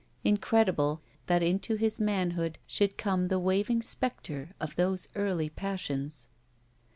Incredible that into his manhood should come the waving specter of those early passions.